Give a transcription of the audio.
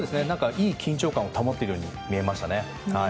いい緊張感を保っているように見えましたね。